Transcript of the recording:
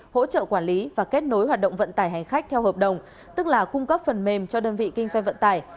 hỗ trợ quản lý và kết nối hoạt động vận tải hành khách theo hợp đồng tức là cung cấp phần mềm cho đơn vị kinh doanh vận tải